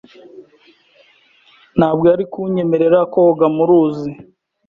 Ntabwo yari kunyemerera koga mu ruzi.